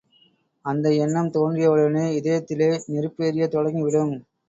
அந்த எண்ணம் தோன்றியவுடனே இதயத்திலே நெருப்பு எரியத் தொடங்கிவிடும்.